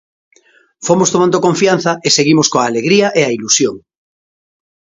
Fomos tomando confianza e seguimos coa alegría e a ilusión.